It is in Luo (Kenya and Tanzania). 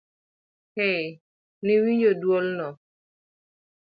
eeee, Nowinjo duol no.